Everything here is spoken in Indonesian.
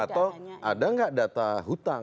atau ada nggak data hutang